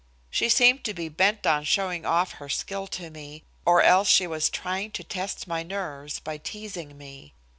She seemed to be bent on showing off her skill to me, or else she was, trying to test my nerves by teasing me.